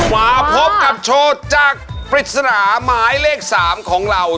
มาพบกับโชว์จากปริศนาหมายเลข๓ของเรา